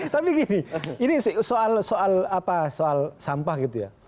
tapi gini ini soal sampah gitu ya